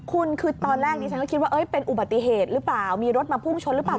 คุณคือตอนแรกนี้ฉันก็คิดว่าเป็นอุบัติเหตุหรือเปล่ามีรถมาพุ่งชนหรือเปล่า